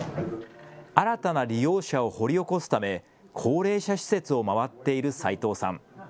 新たな利用者を掘り起こすため高齢者施設を回っている齋藤さん。